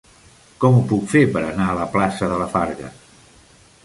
Com ho puc fer per anar a la plaça de la Farga?